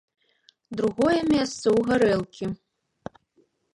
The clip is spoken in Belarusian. Другое месца ў гарэлкі.